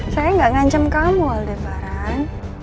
saya gak ngancam kamu aldebaran